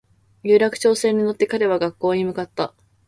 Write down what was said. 有楽町線に乗って彼は学校に向かった